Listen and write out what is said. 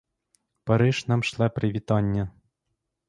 Париж нам шле привітання.